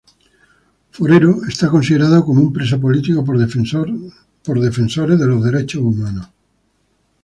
Forero es considerado como un preso político por defensores de derechos humanos.